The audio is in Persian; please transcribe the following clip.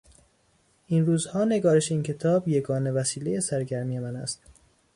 این روزها نگارش این کتاب یگانه وسیلهی سرگرمی من است.